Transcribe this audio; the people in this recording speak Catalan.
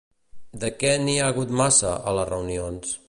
De què n'hi ha hagut massa, a les reunions?